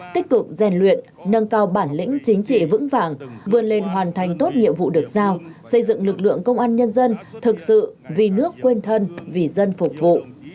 tích cực rèn luyện nâng cao bản lĩnh chính trị vững vàng vươn lên hoàn thành tốt nhiệm vụ được giao xây dựng lực lượng công an nhân dân thực sự vì nước quên thân vì dân phục vụ